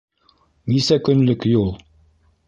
— Нисә көнлөк юл?